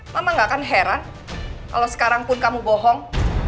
mama gak akan heran kalau sekarang pun kamu bohong